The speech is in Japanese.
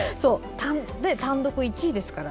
単独１位ですから。